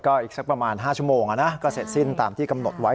ก็อีกสักประมาณ๕ชั่วโมงก็เสร็จสิ้นตามที่กำหนดไว้